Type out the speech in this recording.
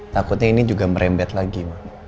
takutnya ini juga merembet lagi